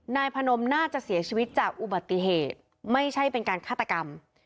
นายพนมน่าจะเสียชีวิตจากอุบัติเหตุไม่ใช่เป็นการฆาตกรรม